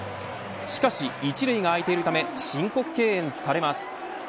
しかし１塁が空いているため申告敬遠されます。